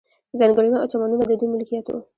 ځنګلونه او چمنونه د دوی ملکیت وو.